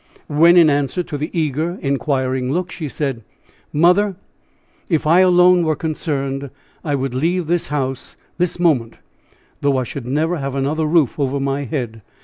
When, in answer to the eager, inquiring look, she said: "Mother, if I alone were concerned, I would leave this house this moment, though I should never have another roof over my head.